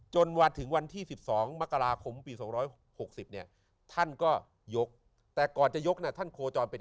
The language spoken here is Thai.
มาถึงวันที่๑๒มกราคมปี๒๖๐เนี่ยท่านก็ยกแต่ก่อนจะยกเนี่ยท่านโคจรเป็น